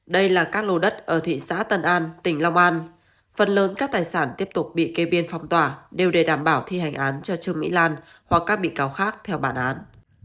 đây là các lô đất ở thị xã tân an tỉnh long an phần lớn các tài sản tiếp tục bị kê biên phòng tỏa đều để đảm bảo thi hành án cho trương mỹ lan hoặc các bị cáo khác theo bản án